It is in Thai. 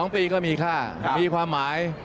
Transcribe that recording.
๒ปีก็มีค่ามีความหมาย